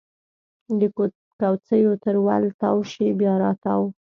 د کوڅېو تر ول تاو شي بیا راتاو